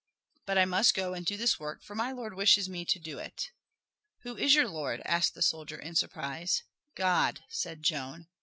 But I must go and do this work, for my Lord wishes me to do it." "Who is your Lord?" asked the soldier in surprise. "God," said Joan.